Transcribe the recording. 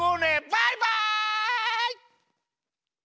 バイバイ！